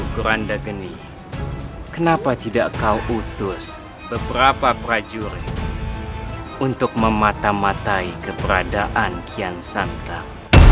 kuranda geni kenapa tidak kau utus beberapa prajurit untuk memata matai keberadaan kian santai